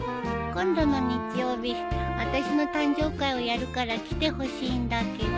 今度の日曜日あたしの誕生会をやるから来てほしいんだけど。